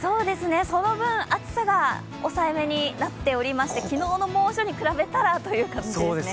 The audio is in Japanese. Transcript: その分、暑さは抑えめになっていまして昨日の猛暑に比べたらという感じですね。